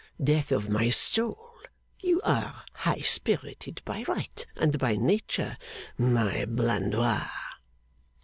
Death of my soul! You are high spirited by right and by nature, my Blandois!